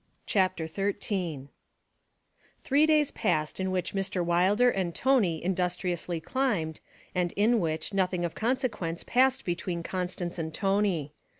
CHAPTER XIII Three days passed in which Mr. Wilder and Tony industriously climbed, and in which nothing of consequence passed between Constance and Tony.